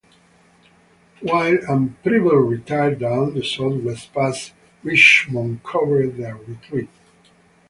While and "Preble" retired down the southwest Pass, "Richmond" covered their retreat.